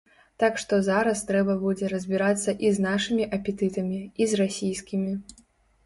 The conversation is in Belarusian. Так што зараз трэба будзе разбірацца і з нашымі апетытамі, і з расійскімі.